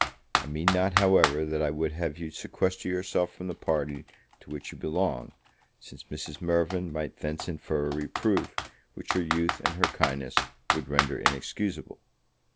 I mean not, however, that I would have you sequester yourself from the party to which you belong, since Mrs. Mirvan might thence infer a reproof which your youth and her kindness would render inexcusable.